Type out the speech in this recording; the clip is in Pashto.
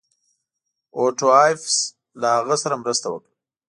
اوټو ایفز له هغه سره مرسته وکړه.